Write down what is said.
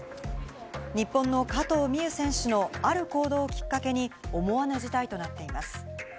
日本の加藤未唯選手のある行動をきっかけに思わぬ事態となっています。